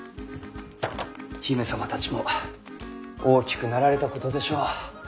姫様たちも大きくなられたことでしょう。